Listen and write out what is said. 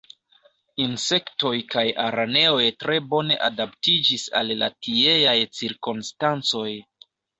Insektoj kaj araneoj tre bone adaptiĝis al la tieaj cirkonstancoj.